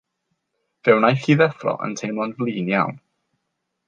Fe wnaeth hi ddeffro yn teimlo'n flin iawn.